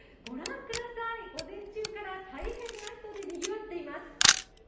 ご覧ください、午前中から大変な人でにぎわっています。